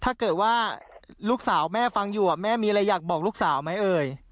ถ้าเกิดว่าลูกสาวแม่ฟังอยู่แม่มีอะไรอยากบอกลูกสาวไหมเอ่ย